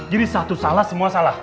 jadi satu salah semua salah